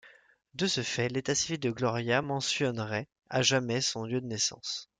De ce fait, l'état-civil de Gloria mentionnerait à jamais son lieu de naissance.